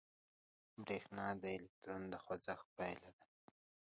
برېښنا د الکترون د خوځښت پایله ده.